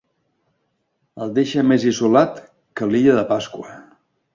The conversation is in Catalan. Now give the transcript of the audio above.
El deixa més isolat que l'illa de Pasqua.